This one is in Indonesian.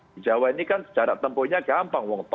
di jawa ini kan jarak tempohnya gampang